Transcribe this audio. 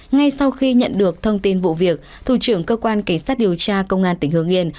ngay sau khi nhận được thông tin vụ việc thủ trưởng cơ quan cảnh sát điều tra công an tỉnh hương yên